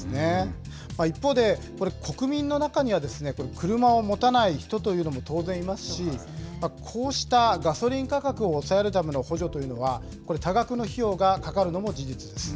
一方で、これ、国民の中では、これ、車を持たない人というのも当然いますし、こうしたガソリン価格を抑えるための補助というのは、これ、多額の費用がかかるのも事実です。